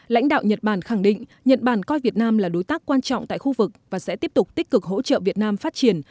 lãnh đạo nhật bản khẳng định nhật bản coi việt nam là đối tác quan trọng tại khu vực và sẽ tiếp tục tích cực hỗ trợ việt nam phát triển